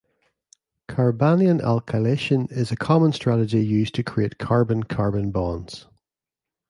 Carbanion alkylation is a common strategy used to create carbon-carbon bonds.